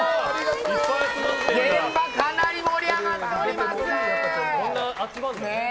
現場かなり盛り上がっております。